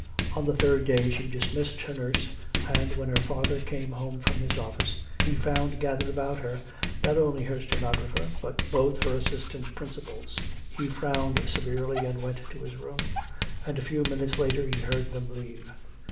On the third day she dismissed her nurse, and when her father came home from his office he found gathered about her bed not only her stenographer but both her assistant principals. He frowned severely and went to his room, and a few minutes later he heard them leave.